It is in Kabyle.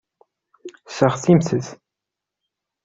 Seɣtimt-t.